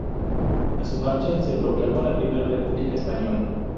A su marcha se proclamó la Primera República Española.